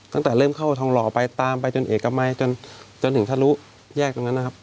ตั้งแต่เริ่มเข้าทองหล่อไปตามไปจนเอกมัยจนถึงทะลุแยกตรงนั้นนะครับ